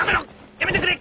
やめてくれ！